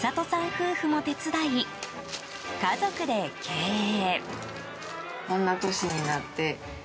夫婦も手伝い家族で経営。